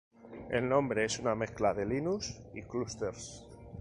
El nombre es una mezcla de Linux y clusters.